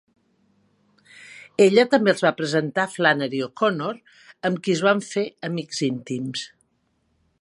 Ella també els va presentar a Flannery O'Connor, amb qui es van fer amics íntims.